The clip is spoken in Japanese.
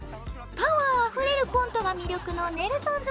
パワーあふれるコントが魅力のネルソンズさん。